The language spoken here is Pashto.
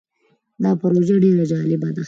دا پروژه ډیر جالبه ده.